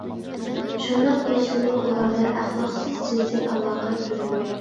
شۇنداق بولسىمۇ، ئۇلاردا ئەخلاقسىز جىنسىي ئالاقە كۆرۈلمەيدۇ.